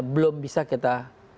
belum bisa kita